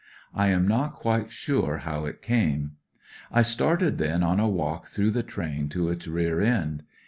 I am not quite sure how it came. I started then on a walk through the train to its rear end.